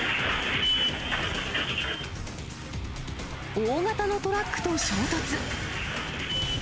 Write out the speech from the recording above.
大型のトラックと衝突。